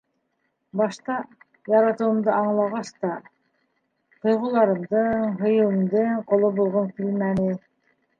Башта, яратыуымды аңлағас та... тойғоларымдың, һөйөүемдең ҡоло булғым килмәне.